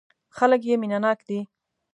خلک یې مینه ناک دي.